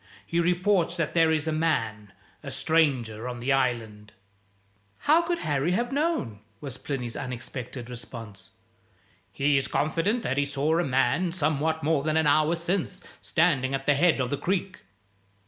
He reports that there is a man a stranger on the Island." "How could Harry have known?" was Plinny's unexpected response. "He is confident that he saw a man, somewhat more than an hour since, standing at the head of the creek."